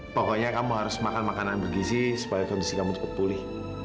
pokoknya kamu harus makan makanan bergizi supaya kondisi kamu cepat pulih